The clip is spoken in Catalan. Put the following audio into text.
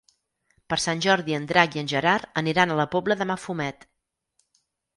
Per Sant Jordi en Drac i en Gerard aniran a la Pobla de Mafumet.